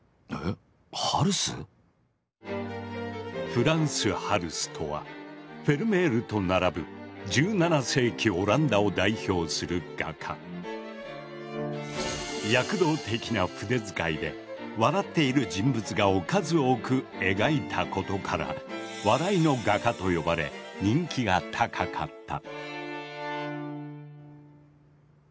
フランス・ハルスとはフェルメールと並ぶ１７世紀オランダを代表する画家。で笑っている人物画を数多く描いたことから「笑いの画家」と呼ばれ人気が高かった。